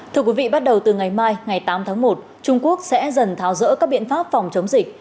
thưa quý vị bắt đầu từ ngày mai ngày tám tháng một trung quốc sẽ dần tháo rỡ các biện pháp phòng chống dịch